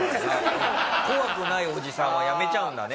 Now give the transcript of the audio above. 怖くないおじさんは辞めちゃうんだね。